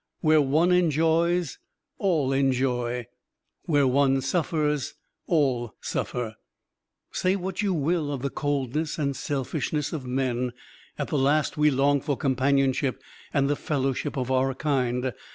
Where one enjoys, all enjoy; where one suffers, all suffer. Say what you will of the coldness and selfishness of men, at the last we long for companionship and the fellowship of our kind.